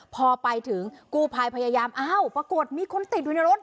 พอไปถึงกู้ภัยพยายามอ้าวปรากฏมีคนติดอยู่ในรถ